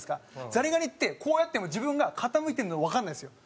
ザリガニってこうやっても自分が傾いてるのはわからないんですよ。